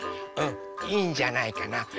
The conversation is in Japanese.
うんいいんじゃないかな？